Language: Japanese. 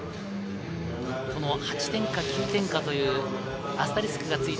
８点か９点かというアスタリスクがついた。